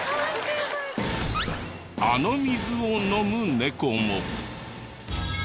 あの水を飲むネコも。